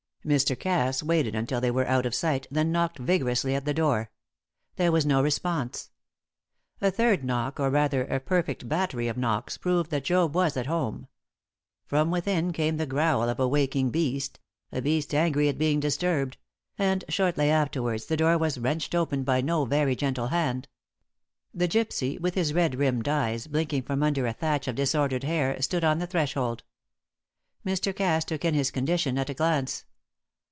Mr. Cass waited until they were out of sight, then knocked vigorously at the door. There was no response. A third knock, or, rather, a perfect battery of knocks, proved that Job was at home. From within came the growl of a waking beast a beast angry at being disturbed; and shortly afterwards the door was wrenched open by no very gentle hand. The gypsy, with his red rimmed eyes blinking from under a thatch of disordered hair, stood on the threshold. Mr. Cass took in his condition at a glance.